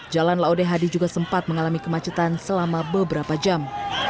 jalan laodehadi juga sempat mengalami kemacetan selama beberapa jam